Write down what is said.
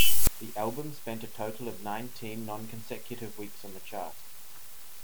The album spent a total of nineteen non-consecutive weeks on the chart.